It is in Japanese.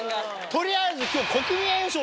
取りあえず今日。